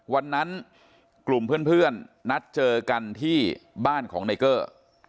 วันนั้นกลุ่มเพื่อนนัดเจอกันที่บ้านของไนเกอร์